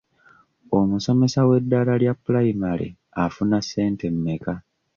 Omusomesa w'eddala lya pulayimale afuna ssente mmeka?